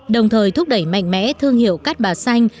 đồng thời thúc đẩy mạnh mẽ thương hiệu cát bà xanh